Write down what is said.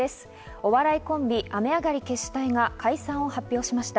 お笑いコンビ・雨上がり決死隊が解散を発表しました。